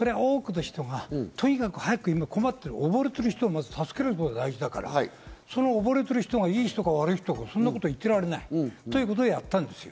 多くの人はとにかく早く今困っているおぼれている人を助けるのが先だから、そのおぼれている人がいい人か悪い人か言ってられないということでやったんです。